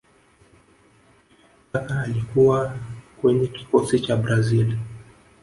Kaka alikuwa kwyenye kikosi cha brazili